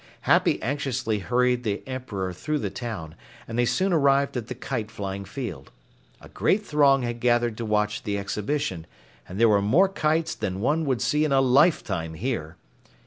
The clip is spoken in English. Happy anxiously hurried the Emperor through the town, and they soon arrived at the kite flying field. A great throng had gathered to watch the exhibition, and there were more kites than one would see in a lifetime here.